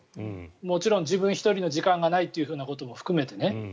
もちろん自分１人の時間がないってことも含めてね。